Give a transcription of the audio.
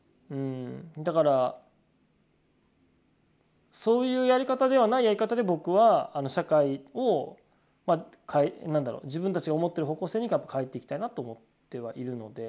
だからそういうやり方ではないやり方で僕は社会を自分たちが思ってる方向性に変えていきたいなと思ってはいるので。